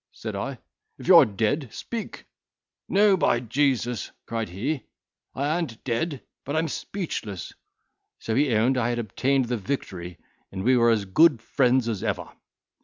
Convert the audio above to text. said I; 'if you are dead, speak.' 'No, by Jesus!' cried he, 'I an't dead, but I'm speechless.' So he owned I had obtained the victory, and we were as good friends as ever.